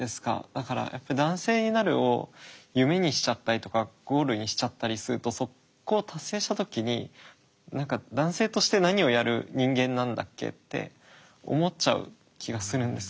だからやっぱり男性になるを夢にしちゃったりとかゴールにしちゃったりするとそこを達成した時に男性として何をやる人間なんだっけって思っちゃう気がするんですよ。